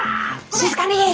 静かに！